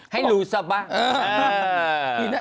ให้รู้ซะว่ะ